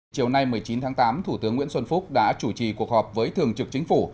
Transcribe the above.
chiều nay một mươi chín tháng tám thủ tướng nguyễn xuân phúc đã chủ trì cuộc họp với thường trực chính phủ